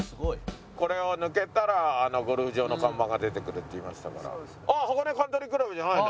これを抜けたらあのゴルフ場の看板が出てくるって言いましたから。